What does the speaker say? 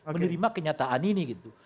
menerima kenyataan ini gitu